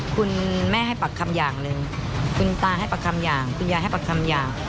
คุณแม่ให้ปักคำอย่างหนึ่งคุณตาให้ปากคำอย่างคุณยายให้ปากคำอย่าง